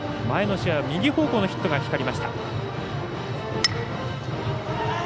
前の試合は右方向のヒットが光りました。